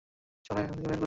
চলো তাকে এখান থেকে বের করি।